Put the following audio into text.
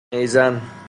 نیزن